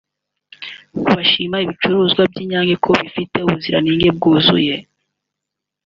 bashima ibicuruzwa by’Inyange ko bifite ubuziranenge bwuzuye